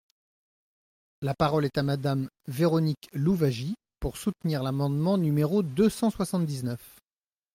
La parole est à Madame Véronique Louwagie, pour soutenir l’amendement numéro deux cent soixante-dix-neuf.